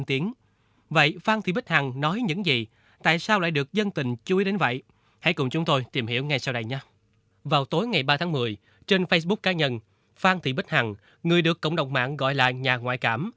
trên facebook cá nhân phan thị bích hằng người được cộng đồng mạng gọi là nhà ngoại cảm